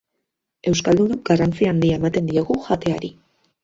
Euskaldunok garrantzi handia ematen diogu jateari.